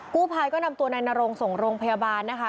กู้ภัยก็นำตัวนายนรงส่งโรงพยาบาลนะคะ